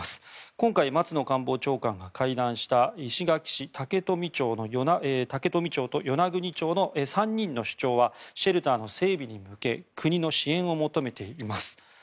今回、松野官房長官が会談した石垣市、竹富町と与那国町の３人の首長はシェルターの整備に向け国の支援を求めています。